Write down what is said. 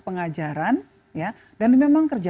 pengajaran dan ini memang